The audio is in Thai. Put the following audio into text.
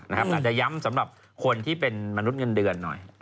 อาจจะย้ำสำหรับคนที่เป็นมนุษย์เงินเดือนหน่อย